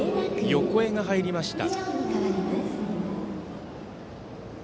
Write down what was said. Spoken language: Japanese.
横江が入りました。